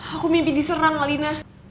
aku mimpi diserang alina